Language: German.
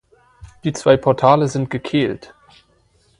Die zwei Portale sind gekehlt.